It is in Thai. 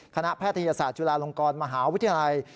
แพทยศาสตร์จุฬาลงกรมหาวิทยาลัย